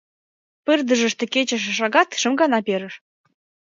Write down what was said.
Пырдыжыште кечыше шагат шым гана перыш.